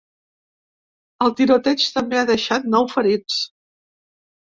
El tiroteig també ha deixat nou ferits.